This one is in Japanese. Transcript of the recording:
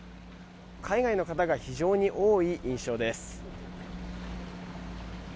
海外の方が非常に多い印象です。